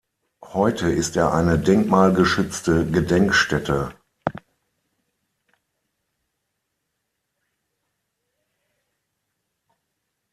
Heute ist er eine denkmalgeschützte Gedenkstätte.